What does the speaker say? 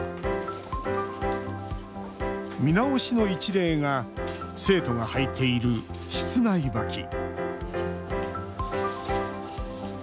見直しの一例が生徒が履いている室内履き。